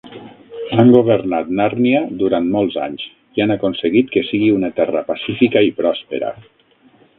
Han governat Nàrnia durant molts anys, i han aconseguit que sigui una terra pacífica i pròspera